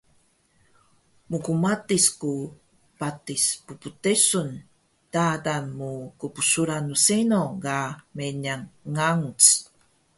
mkmatis ku patis ppdesun dadan mu qbsuran rseno ga meniq nganguc